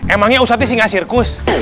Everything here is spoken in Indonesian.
emangnya ustadz ini sih gak sirkus